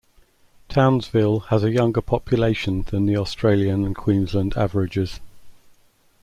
Townsville has a younger population than the Australian and Queensland averages.